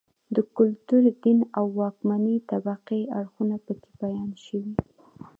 د کلتور، دین او واکمنې طبقې اړخونه په کې بیان شوي